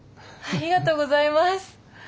ありがとうございます。